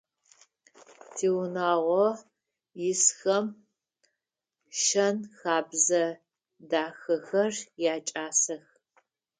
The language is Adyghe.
Тиунагъо исхэм шэн-хэбзэ дахэхэр якӀасэх.